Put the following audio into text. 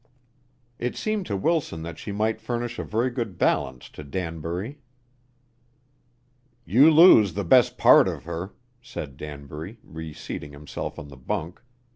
It seemed to Wilson that she might furnish a very good balance to Danbury. "You lose the best part of her," said Danbury, reseating himself on the bunk.